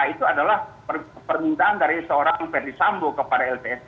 itu adalah permintaan dari seorang petisambu kepada ltsk